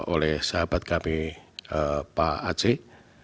oleh sahabat kami pak aceh